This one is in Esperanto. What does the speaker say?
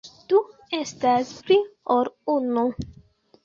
Du estas pli ol unu.